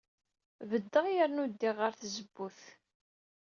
Beddeɣ yernu ddiɣ ɣer tzewwut.